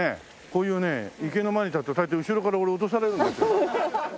こういうね池の前に立つと大抵後ろから俺落とされるんですよ。